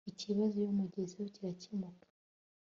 ikibazo iyo mugezeho kirakemuka